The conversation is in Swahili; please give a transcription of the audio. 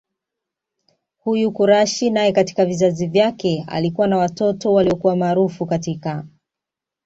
Huyu Quraysh naye katika vizazi vyake alikuwa na watoto waliyokuwa maaraufu katika